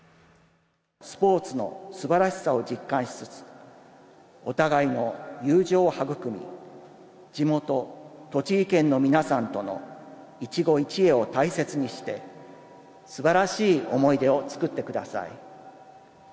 スポーツのすばらしさを実感しつつお互いの友情を育み、地元・栃木県の皆さんとの一期一会を大切にして、すばらしい思い出を作ってください。